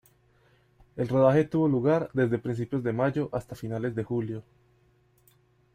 El rodaje tuvo lugar desde principios de mayo hasta finales de julio.